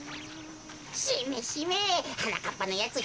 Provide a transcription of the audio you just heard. しめしめはなかっぱのやつ